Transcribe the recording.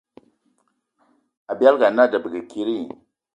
Abialga ana a debege kidi?